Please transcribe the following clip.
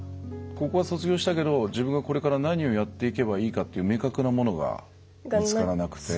高校は卒業したけど自分がこれから何をやっていけばいいかっていう明確なものが見つからなくて？